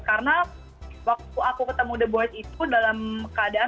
karena waktu aku ketemu the boyz itu dalam keadaan